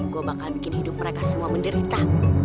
gue bakal bikin hidup mereka semua menderita